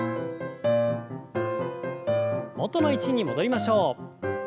元の位置に戻りましょう。